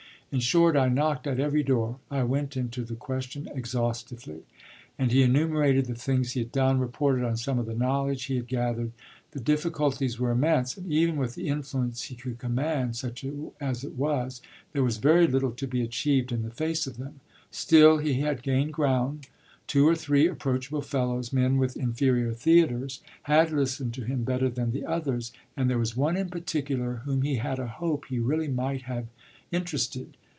In short I knocked at every door, I went into the question exhaustively." And he enumerated the things he had done, reported on some of the knowledge he had gathered. The difficulties were immense, and even with the influence he could command, such as it was, there was very little to be achieved in face of them. Still he had gained ground: two or three approachable fellows, men with inferior theatres, had listened to him better than the others, and there was one in particular whom he had a hope he really might have interested.